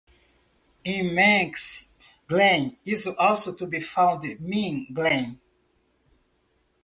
In Manx, "glan" is also to be found meaning glen.